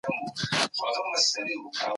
ماغزه په ماشومتوب کې چټک وده کوي.